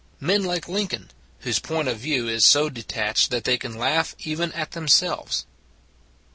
Men like Lincoln, whose point of view is so detached that they can laugh even at themselves.